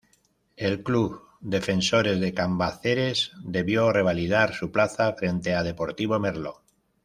El Club Defensores de Cambaceres debió revalidar su plaza frente a Deportivo Merlo.